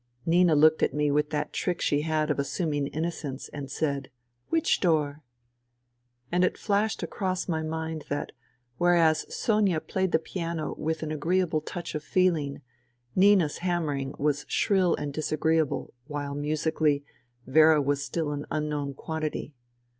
" Nina looked at me with that trick she had of assum ing innocence and said :" Which door ?" And it flashed across my mind that, whereas Sonia played the piano with an agreeable touch of feehng, Nina's hammering was shrill and disagree ably, while, musically, Vera was still an unknown quantity.